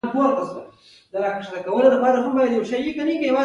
د پښتنو یو زړه ور مشر مقاومت یې بیانوي.